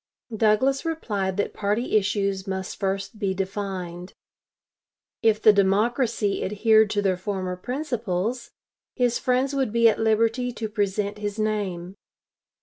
Douglas replied that party issues must first be defined. If the Democracy adhered to their former principles, his friends would be at liberty to present his name.